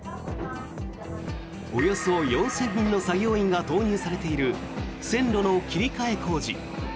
およそ４０００人の作業員が投入されている線路の切り替え工事。